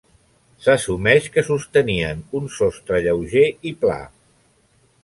S'assumeix que sostenien un sostre lleuger i pla.